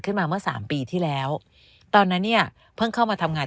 ขึ้นมาเมื่อสามปีที่แล้วตอนนั้นเนี่ยเพิ่งเข้ามาทำงาน